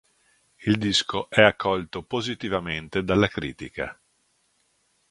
Il disco è accolto positivamente dalla critica.